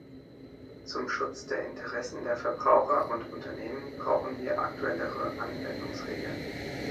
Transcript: Zum Schutz der Interessen der Verbraucher und Unternehmen brauchen wir aktuellere Anwendungsregeln.